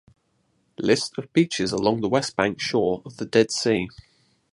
List of beaches along the West Bank shore of the Dead Sea.